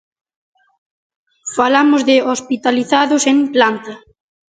Falamos de hospitalizados en planta.